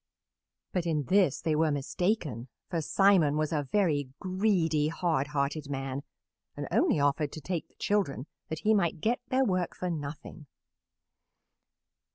But in this they were mistaken, for Simon was a very greedy, hard hearted man and only offered to take the children that he might get their work for nothing.